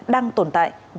đang tồn tại